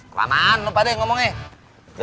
kelamaan lupa deh ngomongnya